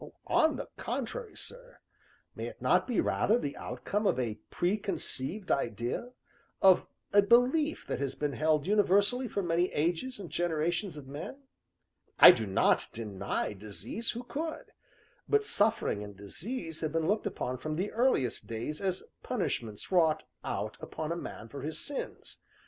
"On the contrary, sir, may it not be rather the outcome of a preconceived idea of a belief that has been held universally for many ages and generations of men? I do not deny disease who could? but suffering and disease have been looked upon from the earliest days as punishments wrought out upon a man for his sins.